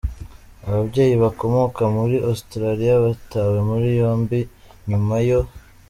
Ababyeyi bakomoka muri Australia batawe muri yombi nyuma yo.